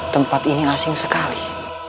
tempat ini asing sekali